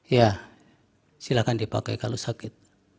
ya silahkan dipakai kalau sakit